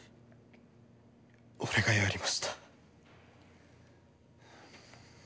俺がやりました。